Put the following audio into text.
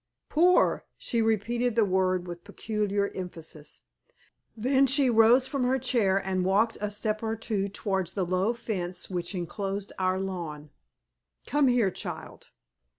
"Poor!" She repeated the word with peculiar emphasis. Then she rose from her chair, and walked a step or two towards the low fence which enclosed our lawn. "Come here, child."